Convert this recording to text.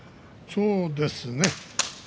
そうですね。